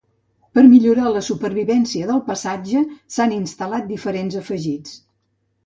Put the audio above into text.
Per millorar la supervivència del passatge s'han instal·lat diferents afegits.